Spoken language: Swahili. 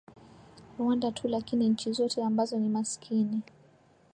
rwanda tu lakini nchi zote ambazo ni maskini